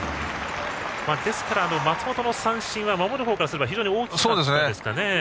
ですから松本の三振は守るほうからすれば非常に大きなところなんですかね。